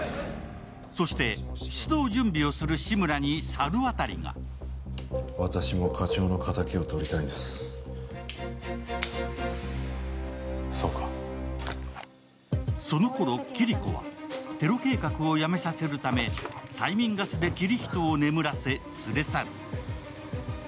そして、出動準備をする志村に猿渡がそのころ、キリコは、テロ計画をやめさせるため催眠ガスでキリヒトを眠らせ連れ去る。